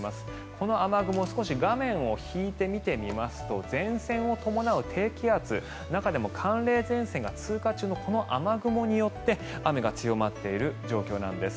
この雨雲少し画面を引いて見てみますと前線を伴う低気圧中でも寒冷前線が通過中の、この雨雲によって雨が強まっている状況です。